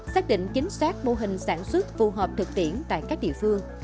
xác định chính xác mô hình sản xuất phù hợp thực tiễn tại các địa phương